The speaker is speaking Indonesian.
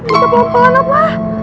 udah pelan pelan opa